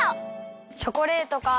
チョコレートかあ。